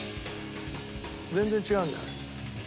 全然違うんじゃない？